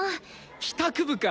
帰宅部か。